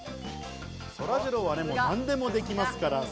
そらジローは何でもできますからね。